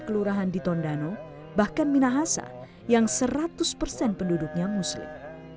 kelurahan di tondano bahkan minahasa yang seratus persen penduduknya muslim